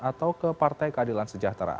atau ke partai keadilan sejahtera